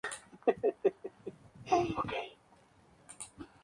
En los contratos de compra-venta, el esclavo era un objeto.